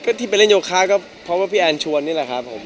ก็ที่ไปเล่นโยคะก็เพราะว่าพี่แอนชวนนี่แหละครับผม